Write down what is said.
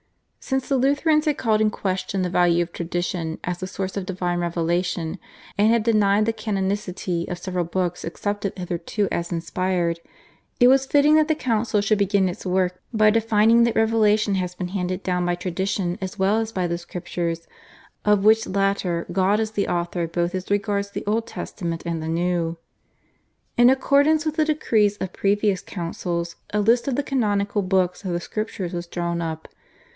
Since the Lutherans had called in question the value of Tradition as a source of divine revelation, and had denied the canonicity of several books accepted hitherto as inspired, it was fitting that the council should begin its work by defining that revelation has been handed down by Tradition as well as by the Scriptures, of which latter God is the author both as regards the Old Testament and the New. In accordance with the decrees of previous councils a list of the canonical books of the Scriptures was drawn up.